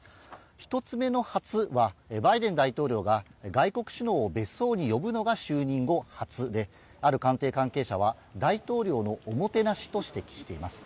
１つ目の初は、バイデン大統領が外国首脳を別荘に呼ぶのが就任後初である官邸関係者は大統領のおもてなしと指摘しています。